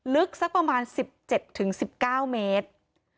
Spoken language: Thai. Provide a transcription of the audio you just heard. ลึกสักประมาณ๑๗๑๙เมตร